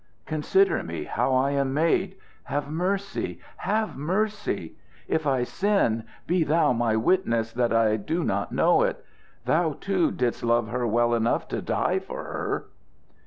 Consider me, how I am made! Have mercy, have mercy! If I sin, be Thou my witness that I do not know it! Thou, too, didst love her well enough to die for her!"